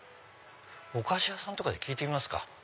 お菓子屋さんで聞いてみますか？